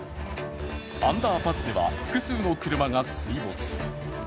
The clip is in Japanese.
アンダーパスでは複数の車が水没。